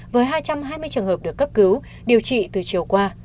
với hai trăm hai mươi trường hợp được cấp cứu điều trị từ chiều qua